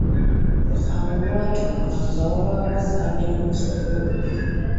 Awo lwatuuka nga wabaawo omukadde ne muzzukulu we.